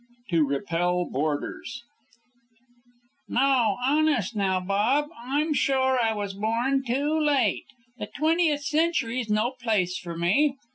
'" TO REPEL BOARDERS "No; honest, now, Bob, I'm sure I was born too late. The twentieth century's no place for me.